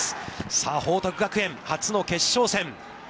さあ、報徳学園、初の決勝戦。